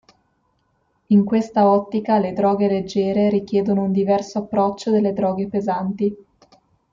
In questa ottica le droghe leggere richiedono un diverso approccio delle droghe pesanti.